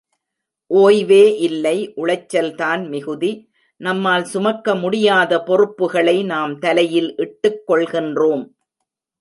ஓய்வே இல்லை உளைச்சல்தான் மிகுதி, நம்மால் சுமக்க முடியாத பொறுப்புகளை நாம் தலையில் இட்டுக்கொள்கின்றோம்.